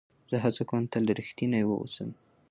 زه هڅه کوم تل رښتینی واوسم.